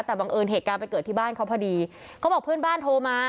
แต่บังเอิญเหตุการณ์ไปเกิดที่บ้านเขาพอดีเขาบอกเพื่อนบ้านโทรมา